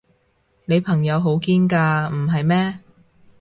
你朋友好堅㗎，唔係咩？